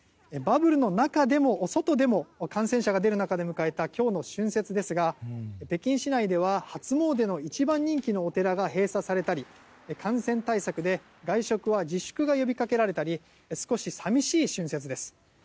バブルの中でも外でも感染者が出る中で迎えた今日の春節ですが北京市内では初詣の一番人気のお寺が閉鎖されたり、感染対策で外食は自粛が呼びかけられたり少し寂しい春節です。